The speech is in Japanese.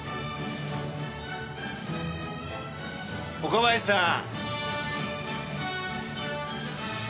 岡林さん！